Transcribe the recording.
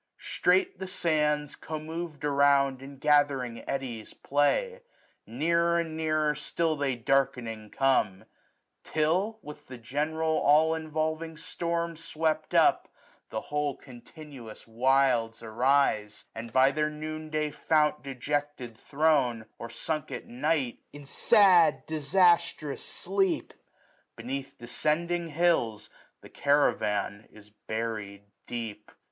Strait the sands, CommovM around, in gathering eddies play j 970 Nearer and nearer still they darkening come j Till, with the general all involving storm Swept up, the whole continuous wilds arise ; And by their noon day fount dejected thrown, Or sunk at night in sad disastrous sleep, 975 Beneath descending hills, the caravan Is buried deep.